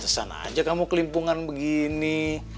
kesana aja kamu kelimpungan begini